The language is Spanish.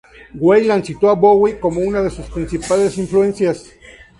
Weiland citó a Bowie como una de sus principales influencias.